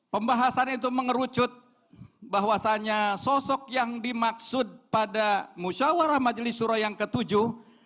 pembahasan itu mengerucut bahwasannya sosok yang dimaksud pada musyawarah majelis surah yang ketujuh